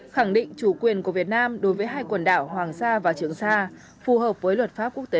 khẳng định chủ quyền của việt nam đối với hai quần đảo hoàng sa và trường sa phù hợp với luật pháp quốc tế